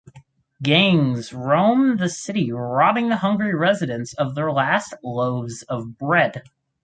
Gangs roam the city robbing the hungry residents of their last loaves of bread.